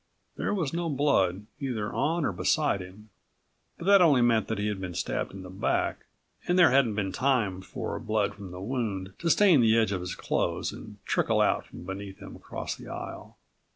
There was no blood either on or beside him, but that only meant that he'd been stabbed in the back and there hadn't been time for blood from the wound to stain the edge of his clothes and trickle out from beneath him across the aisle.